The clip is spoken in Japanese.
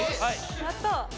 やった。